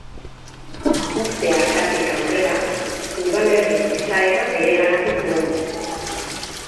Urte hartatik aurrera udalerri izaera bereganatu zuen.